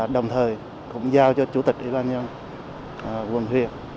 đồng thời cũng giao cho chủ tịch ủy ban giang cấp quận huyện